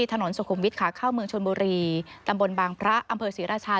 ถนนสุขุมวิทย์ขาเข้าเมืองชนบุรีตำบลบางพระอำเภอศรีราชา